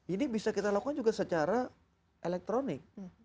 ini bisa kita lakukan juga secara elektronik